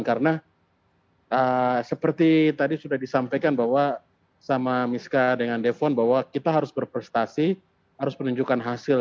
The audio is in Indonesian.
karena seperti tadi sudah disampaikan bahwa sama miska dengan defon bahwa kita harus berprestasi harus menunjukkan hasil